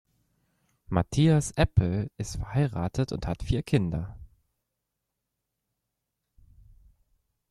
Matthias Epple ist verheiratet und hat vier Kinder.